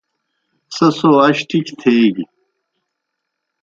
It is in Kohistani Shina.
سیْسو اش ٹِکیْ تھی تھیگیْ۔